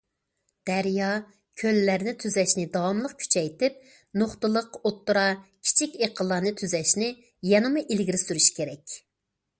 دەريا، كۆللەرنى تۈزەشنى داۋاملىق كۈچەيتىپ، نۇقتىلىق ئوتتۇرا، كىچىك ئېقىنلارنى تۈزەشنى يەنىمۇ ئىلگىرى سۈرۈش كېرەك.